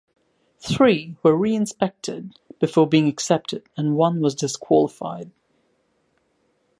Three were re-inspected before being accepted, and one was disqualified.